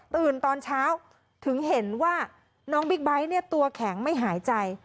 ตอนเช้าถึงเห็นว่าน้องบิ๊กไบท์เนี่ยตัวแข็งไม่หายใจ